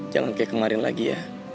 jangan kayak kemarin lagi ya